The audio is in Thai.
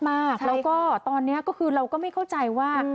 แล้วก็ตอนนี้เราก็ไม่เข้าใจว่า